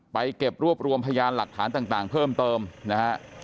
เก็บรวบรวมพยานหลักฐานต่างเพิ่มเติมนะฮะ